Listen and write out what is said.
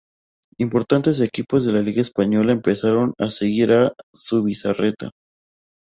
Importantes equipos de la Liga española empezaron a seguir a Zubizarreta.